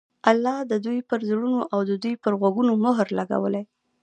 الله د دوى پر زړونو او د دوى په غوږونو مهر لګولى